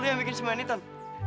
lu yang bikin semua ini ton